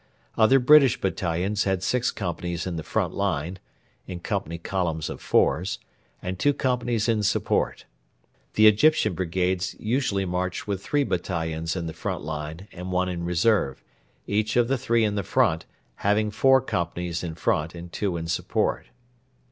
Other British battalions had six companies in the front line (in company column of fours) and two companies in support. The Egyptian brigades usually marched with three battalions in the front line and one in reserve, each of the three in the front line having four companies in front and two in support.